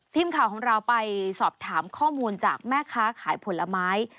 ทีมข่าวของเราไปสอบถามข้อมูลจากแม่ค้าขายผลไม้